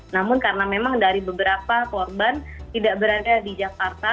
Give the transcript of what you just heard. namun karena memang dari beberapa korban tidak berada di jakarta